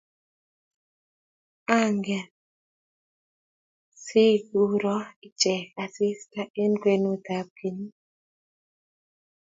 ang'er sikuroo ichek asista eng' kwenutab kenyit